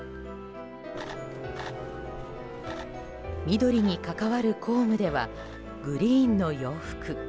緑に関わる公務ではグリーンの洋服。